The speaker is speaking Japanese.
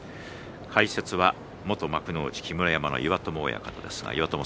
解説は元幕内木村山の岩友親方です。